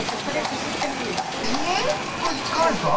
これ使わないですか？